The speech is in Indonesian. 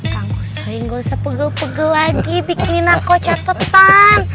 kangkusoy gak usah pegel pegel lagi bikinin aku catetan